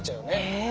へえ！